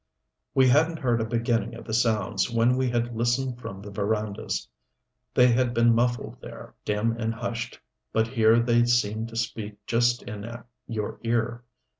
We hadn't heard a beginning of the sounds when we had listened from the verandas. They had been muffled there, dim and hushed, but here they seemed to speak just in your ear.